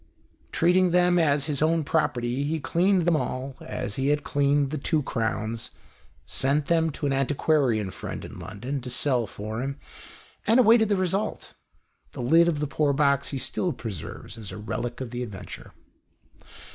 Treating them as his own property, he cleaned them all, as he had cleaned the two crowns, sent them to an anti quarian friend in London to sell for him, and awaited the result. The lid of the poor box he still preserves as a relic of the adventure.